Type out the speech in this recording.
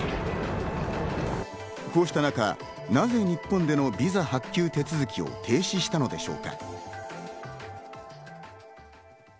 こうした中、なぜ、日本でのビザ発給手続きを停止したのでしょうか？